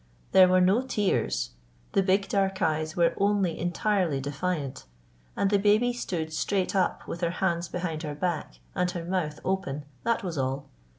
There were no tears, the big dark eyes were only entirely defiant; and the baby stood straight up with her hands behind her back and her mouth open that was all.